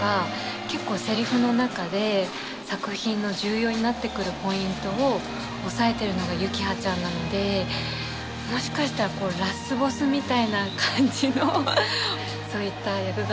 結構せりふの中で作品の重要になってくるポイントを押さえてるのが幸葉ちゃんなのでもしかしたらラスボスみたいな感じのそういった役柄なので。